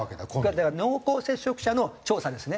だから濃厚接触者の調査ですね。